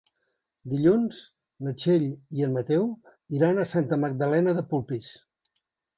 Dilluns na Txell i en Mateu iran a Santa Magdalena de Polpís.